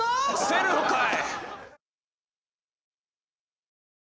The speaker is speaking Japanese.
セルフかい！